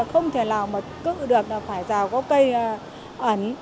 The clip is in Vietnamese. không thể nào mà cự được là phải rào có cây ẩn